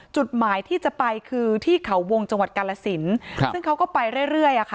จุดหมายที่จะไปคือที่เขาวงจังหวัดกาลสินซึ่งเขาก็ไปเรื่อยอะค่ะ